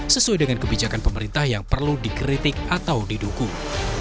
sesuai dengan kebijakan pemerintah yang perlu dikritik atau didukung